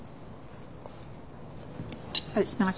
はい。